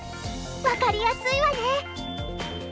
分かりやすいわね。